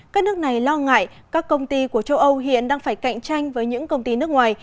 các nước này lo ngại các công ty của châu âu hiện đang phải cạnh tranh với những công ty nước ngoài